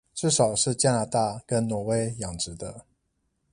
至少是加拿大跟挪威養殖的